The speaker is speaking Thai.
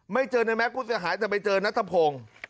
ไม่เจอนายแม็กซ์กูจะหายแต่ไปเจอนัตตาพง